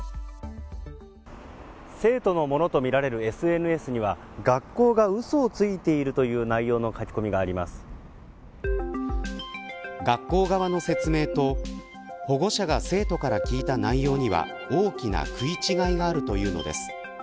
生徒のものとみられるＳＮＳには学校がうそをついているという学校側の説明と保護者が生徒から聞いた内容には大きな食い違いがあるというのです。